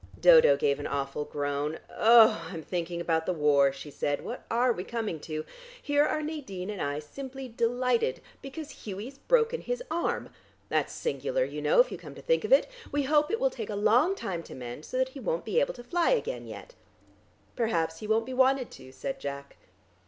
Dodo gave an awful groan. "Oh, I'm thinking about the war," she said. "What are we coming to? Here are Nadine and I simply delighted because Hughie's broken his arm. That's singular, you know, if you come to think of it. We hope it will take a long time to mend, so that he won't be able to fly again yet." "Perhaps he won't be wanted to," said Jack.